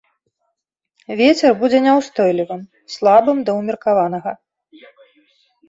Вецер будзе няўстойлівым, слабым да ўмеркаванага.